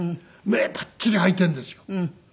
目ぱっちり開いてるんですよ。